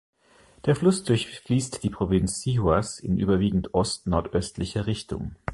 Der Fluss durchfließt die Provinz Sihuas in überwiegend ostnordöstlicher Richtung.